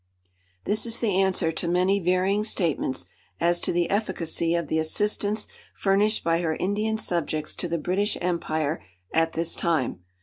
This is the answer to many varying statements as to the efficacy of the assistance furnished by her Indian subjects to the British Empire at this time.